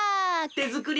てづくり